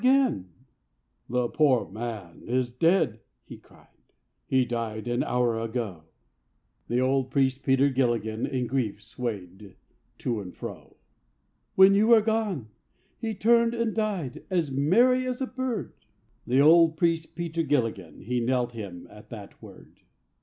"And is the poor man dead?" he cried, "He died an hour ago," The old priest Peter Gilligan In grief swayed to and fro. "When you were gone, he turned and died "As merry as a bird." The old priest Peter Gilligan He knelt him at that word.